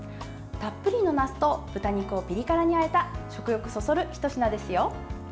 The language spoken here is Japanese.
たっぷりのなすと豚肉をピリ辛にあえた食欲そそる、ひと品ですよ。